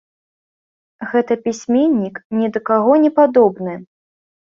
Гэта пісьменнік, ні да кога не падобны.